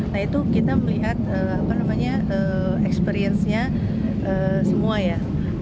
nah itu kita melihat experience nya semua ya